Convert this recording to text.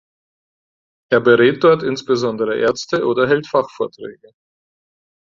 Er berät dort insbesondere Ärzte oder hält Fachvorträge.